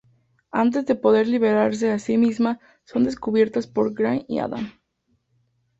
Antes de poder liberarse a sí misma son descubiertas por Craig y Adam.